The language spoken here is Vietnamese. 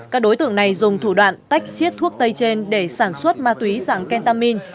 các đối tượng này dùng thủ đoạn tách chiết thuốc tây trên để sản xuất ma túy sẵn kentamin